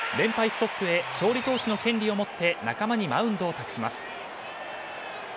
ストップへ勝利投手の権利を持って仲間にマウンドを託します。